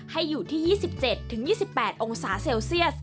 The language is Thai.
ให้อยู่ที่๒๗๒๘องศาเซลเซียส